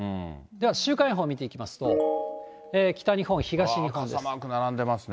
では週間予報見ていきますと、北日本、東日本です。